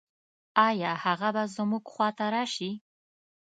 آيا هغه به زموږ خواته راشي؟